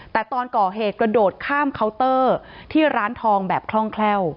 แต่ตอนก่อเหตุกระโดดข้ามเคาน์เตอร์ที่ร้านทองแบบคล่องแคล่ว